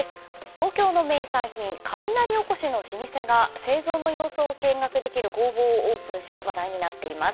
東京の名産品、雷おこしの老舗が製造の様子を見学できる工房をオープンし話題になっています。